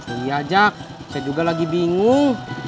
iya jak saya juga lagi bingung